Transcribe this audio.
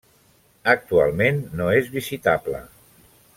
Actualment no és visitable.